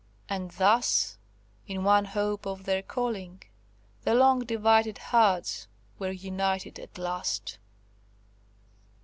And thus,–in one hope of their calling,–the long divided hearts were united at last.